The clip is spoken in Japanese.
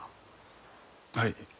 はい。